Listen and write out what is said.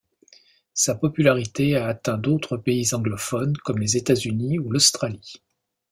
Sa popularité a atteint d'autres pays anglophones comme les États-Unis ou l'Australie.